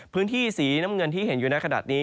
พื้นที่สีน้ำเงินที่เห็นอยู่ในขณะนี้